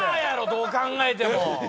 どう考えても。